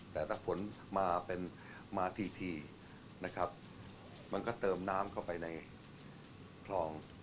แต่ถ้าฝนมาเป็นมาทีนะครับมันก็เติมน้ำเข้าไปในคลอง